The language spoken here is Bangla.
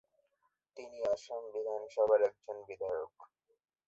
তিনি আসাম বিধানসভার একজন বিধায়ক।